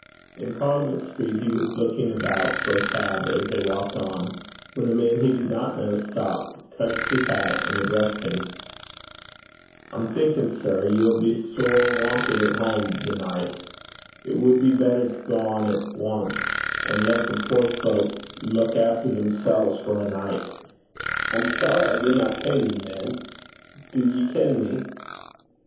In Parliament Street he was looking about for a cab as they walked on, when a man he did not know, stopped, touched his hat, and addressed him. 'I'm thinkin', sir, ye'll be sair wantit at hame the nicht. It wad be better to gang at ance, an' lat the puir fowk luik efter themsels for ae nicht.' 'I'm sorry I dinna ken ye, man. Do ye ken me?'